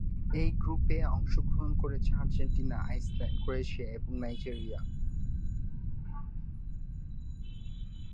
এই গ্রুপে অংশগ্রহণ করছে আর্জেন্টিনা, আইসল্যান্ড, ক্রোয়েশিয়া এবং নাইজেরিয়া।